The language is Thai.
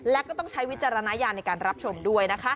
และก็ต้องใช้วิจารณญาณในการรับชมด้วยนะคะ